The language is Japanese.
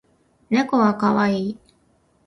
猫は可愛い